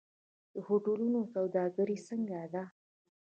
د هوټلونو سوداګري څنګه ده؟